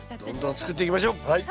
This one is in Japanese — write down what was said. はい。